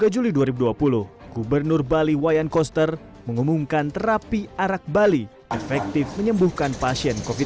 dua puluh juli dua ribu dua puluh gubernur bali wayan koster mengumumkan terapi arak bali efektif menyembuhkan pasien covid sembilan belas